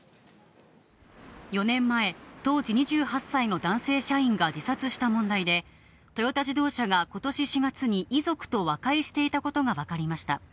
４年前、当時２８歳の男性社員が自殺した問題で、トヨタ自動車がことし４月に遺族と和解していたことが分かりました。